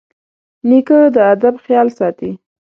نیکه د ادب خیال ساتي.